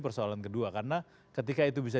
persoalan kedua karena ketika itu bisa